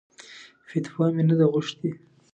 فتوا مې نه ده غوښتې.